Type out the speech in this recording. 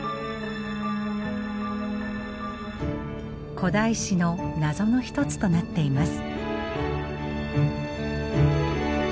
古代史の謎の一つとなっています。